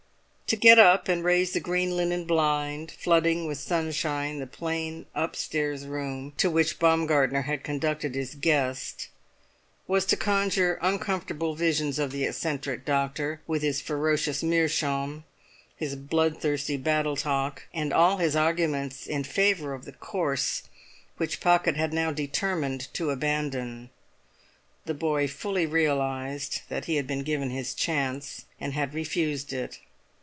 To get up, and raise the green linen blind, flooding with sunshine the plain upstairs room to which Baumgartner had conducted his guest, was to conjure uncomfortable visions of the eccentric doctor, with his ferocious meerschaum, his bloodthirsty battle talk, and all his arguments in favour of the course which Pocket had now determined to abandon. The boy fully realised that he had been given his chance, and had refused it.